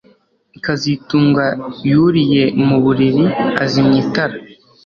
kazitunga yuriye mu buriri azimya itara